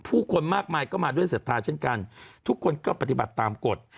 คนมากมายก็มาด้วยศรัทธาเช่นกันทุกคนก็ปฏิบัติตามกฎ